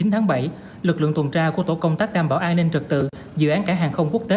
chín tháng bảy lực lượng tuần tra của tổ công tác đảm bảo an ninh trật tự dự án cảng hàng không quốc tế